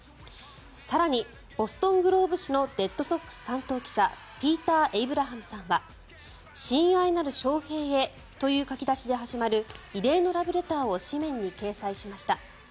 更にボストン・グローブ紙のレッドソックス担当記者ピーター・エイブラハムさんは「親愛なるショウヘイへ」という書き出しで始まる異例のラブレターを紙面に掲載しました。